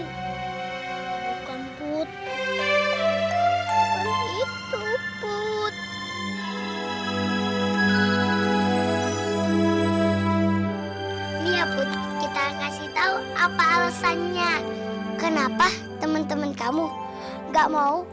hai rumput itu putri putri kita kasih tahu apa alasannya kenapa teman teman kamu nggak mau